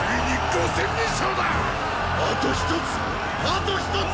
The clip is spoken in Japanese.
あと一つ！